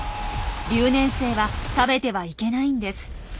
留年生は食べてはいけないんです。